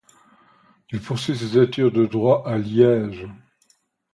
Il poursuit des études de droit à Liège.